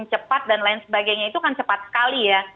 cepat dan lain sebagainya itu kan cepat sekali ya